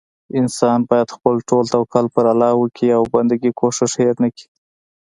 انسان بايد خپل ټول توکل پر الله وکي او بندګي کوښښ هير نه کړي